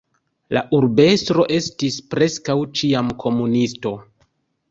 La urbestro estis preskaŭ ĉiam komunisto.